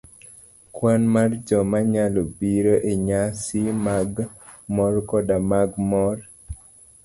Kwan mar joma nyalo biro enyasi mag mor koda mag mor,